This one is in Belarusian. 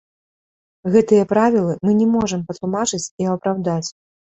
Гэтыя правілы мы не можам патлумачыць і апраўдаць.